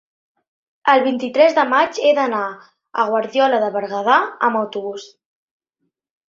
el vint-i-tres de maig he d'anar a Guardiola de Berguedà amb autobús.